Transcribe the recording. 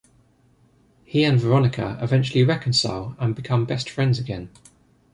He and Veronica eventually reconcile and become best friends again.